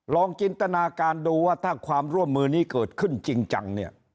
จินตนาการดูว่าถ้าความร่วมมือนี้เกิดขึ้นจริงจังเนี่ย